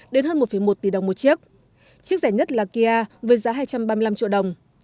đến hơn một một tỷ đồng một chiếc chiếc rẻ nhất là kia với giá hai trăm ba mươi năm triệu đồng